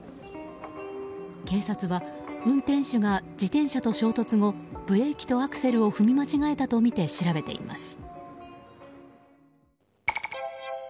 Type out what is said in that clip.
警察は運転手が自転車と衝突後ブレーキとアクセルを踏み間違えたとみて調べています。